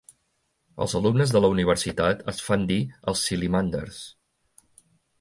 Els alumnes de la universitat es fan dir els "sillimanders".